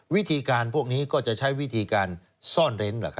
วิธีการพวกนี้ก็จะใช้วิธีการซ่อนเร้น